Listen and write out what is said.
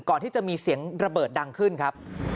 ก่อนที่จะมีเสียงระเบิดดังขึ้นดูในโลกภาพถ่ายออกมา